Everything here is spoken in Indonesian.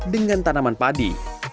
dengan tanaman padi